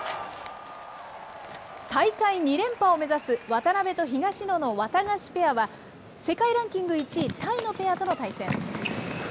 大会２連覇を目指す渡辺と東野のワタガシペアは、世界ランキング１位、タイのペアとの対戦。